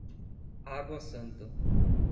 Água Santa